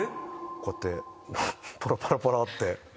こうやってパラパラパラって。